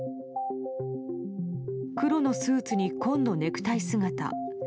黒のスーツに紺のネクタイ姿。